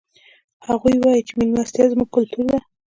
هغوی وایي چې مېلمستیا زموږ کلتور ده